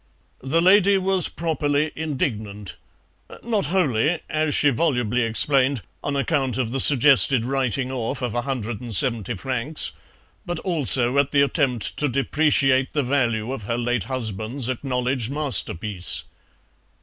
The lady was properly indignant, not wholly, as she volubly explained, on account of the suggested writing off of 170 francs, but also at the attempt to depreciate the value of her late husband's acknowledged masterpiece.